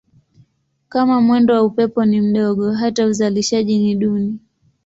Kama mwendo wa upepo ni mdogo hata uzalishaji ni duni.